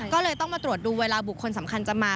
ก็เลยต้องมาตรวจดูเวลาบุคคลสำคัญจะมา